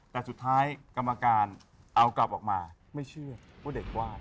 แต่สุดท้ายกรรมการเอากลับออกมาไม่เชื่อว่าเด็กวาด